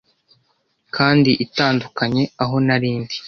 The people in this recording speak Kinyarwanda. Kandi itandukanye aho nari ndi